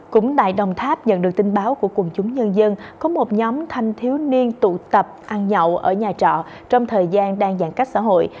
cũng tại đồng tháp nhận được tin báo của quần chúng nhân dân có một nhóm thanh thiếu niên tụ tập ăn nhậu ở nhà trọ trong thời gian đang giãn cách xã hội